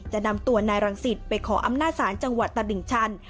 จะนำตัวนายรังสิตไปขออำนาจศาลจังหวัดตลิ่งชัน